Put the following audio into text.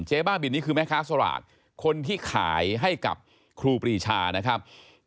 บ้าบินนี่คือแม่ค้าสลากคนที่ขายให้กับครูปรีชานะครับ